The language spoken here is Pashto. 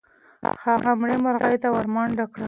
هغه مړې مرغۍ ته ورمنډه کړه.